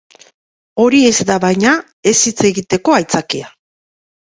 Hori ez da, baina, ez hitz egiteko aitzakia.